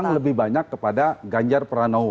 jadi lebih banyak kepada ganjar pranowo